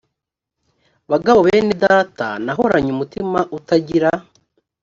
bagabo bene data nahoranye umutima utagira